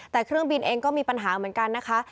แต่เครื่องบินเองก็มีปัญหาเหมือนกันนะคะ